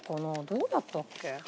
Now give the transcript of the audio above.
どうやったっけ？